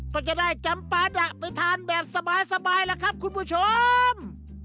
ก็จะได้จำปาดะไปทานแบบสบายล่ะครับคุณผู้ชม